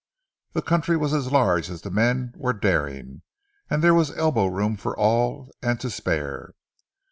The country was as large as the men were daring, and there was elbow room for all and to spare.